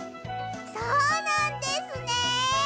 そうなんですね！